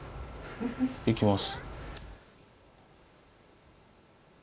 行きます。